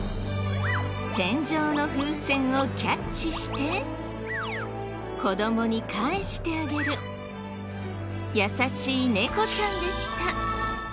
天井の風船をキャッチして子供に返してあげる優しい猫ちゃんでした。